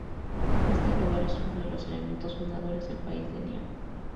Este lugar es uno de los elementos fundadores del país de Lyon.